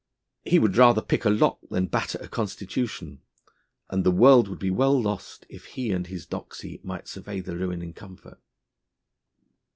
He would rather pick a lock than batter a constitution, and the world would be well lost, if he and his doxy might survey the ruin in comfort.